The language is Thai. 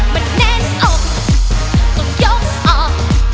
มันแน่นอกต้องยกออก